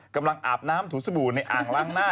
กำลังอาบน้ำถูสบู่ในอ่างล้างหน้า